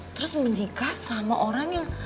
terus menikah sama orang yang